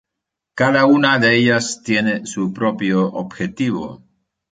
Cada una de ellas tiene su propio objetivo.